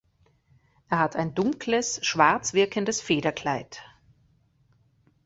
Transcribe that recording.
Er hat ein dunkles, schwarz wirkendes Federkleid.